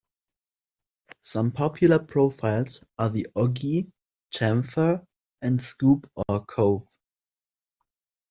Some popular profiles are the "ogee", "chamfer", and "scoop" or "cove".